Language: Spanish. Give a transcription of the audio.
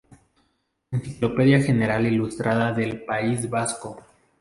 Enciclopedia general ilustrada del País Vasco.